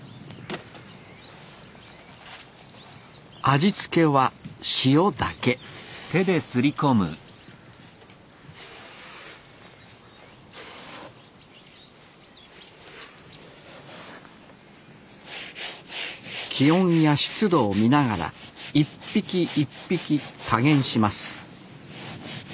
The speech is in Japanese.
味付けは塩だけ気温や湿度を見ながら一匹一匹加減します